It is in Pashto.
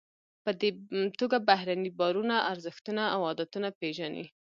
په دې توګه بهرني باورونه، ارزښتونه او عادتونه پیژنئ.